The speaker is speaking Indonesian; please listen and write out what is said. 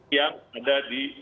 yang ada di